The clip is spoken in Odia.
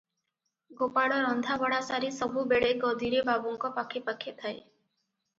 ଗୋପାଳ ରନ୍ଧାବଢ଼ା ସାରି ସବୁବେଳେ ଗଦିରେ ବାବୁଙ୍କ ପାଖେ ପାଖେ ଥାଏ ।